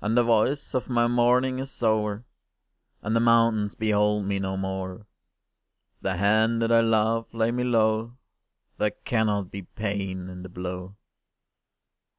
And the voice of my mourning is o'er, And the mountains behold me no more: If the hand that I love lay me low, There cannot be pain in the blow!